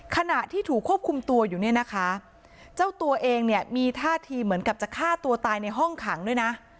ขณะที่ถูกควบคุมตัวอยู่เนี่ยนะคะเจ้าตัวเองเนี่ยมีท่าทีเหมือนกับจะฆ่าตัวตายในห้องขังด้วยนะ